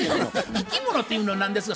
生き物っていうのは何ですが。